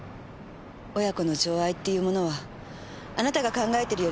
親子の情愛っていうものはあなたが考えてるよりも。